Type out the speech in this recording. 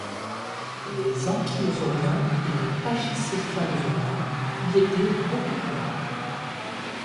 Les ankylosauriens et les pachycéphalosauriens y étaient beaucoup plus rares.